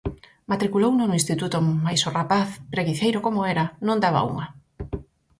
Matriculouno no instituto mais o rapaz, preguiceiro como era, non daba unha.